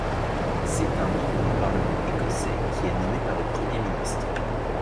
C'est un membre du Parlement écossais qui est nommé par le Premier ministre.